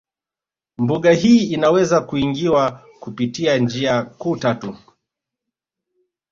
Mbuga hii inaweza kuingiwa kupitia njia kuu tatu